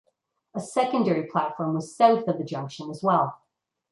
A secondary platform was south of the junction as well.